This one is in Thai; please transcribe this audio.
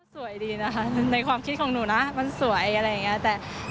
สวยดีนะคะในความคิดของหนูนะมันสวยอะไรอย่างนี้แต่